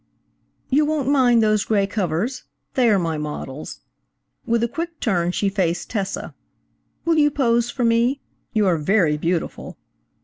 "You won't mind those gray covers? They are my models." With a quick turn she faced Tessa. "Will you pose for me? You are very beautiful."